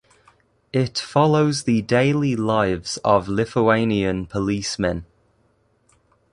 It follows the daily lives of Lithuanian policemen.